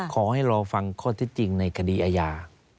ขอให้รอฟังข้อที่จริงในคดีอาญา